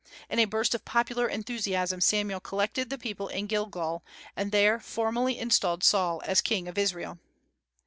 In a burst of popular enthusiasm Samuel collected the people in Gilgal, and there formally installed Saul as King of Israel.